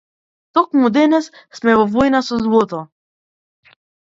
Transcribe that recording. Токму денес сме во војна со злото!